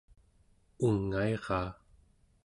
ungairaa